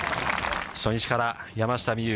初日から山下美夢